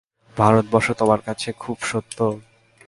ভারতবর্ষ তোমার কাছে খুব সত্য?